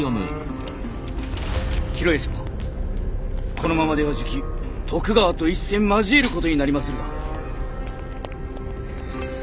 このままではじき徳川と一戦交えることになりまするが。